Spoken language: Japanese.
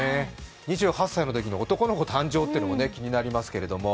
２８歳のときに男の子誕生というのも気になりますけれども。